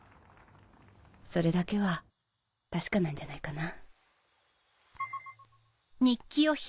それだけは確かなんじゃないかな。